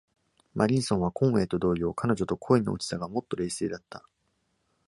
マリンソンはコンウェイと同様彼女と恋に落ちたが、もっと冷静だった。